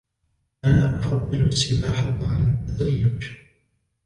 أنا أفضل السباحة على التزلج.